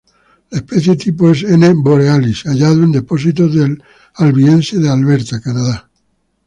La especie tipo es "N. borealis", hallado en depósitos del Albiense de Alberta, Canadá.